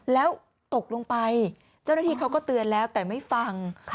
แล้วตกลงไปเจ้าหน้าที่เขาก็เตือนแล้วแต่ไม่ฟัง